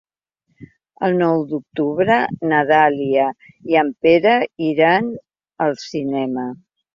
El nou d'octubre na Dàlia i en Pere iran al cinema.